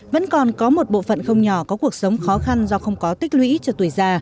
vẫn còn có một bộ phận không nhỏ có cuộc sống khó khăn do không có tích lũy cho tuổi già